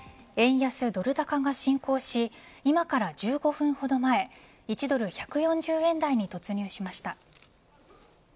円安ドル高が進行し今から１５分ほど前１ドル１４０円台に突入しました。